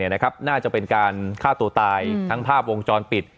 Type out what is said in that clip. น่าจะเป็นการฆ่าตัวตายทั้งภาพวงจรปิด